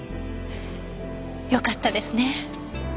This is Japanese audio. よかったですね。